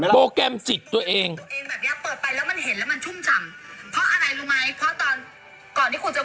โปรแกรมจิตตัวเองค่ะครับ